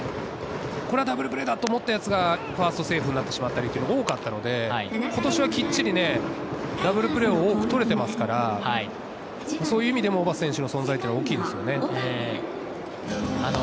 これがダブルプレーだと思ったやつがファーストがセーフになってしまったというのが多かったので、今年はきっちりダブルプレーを多くとれてますから、そういう意味でも小幡選手の存在は大きいですね。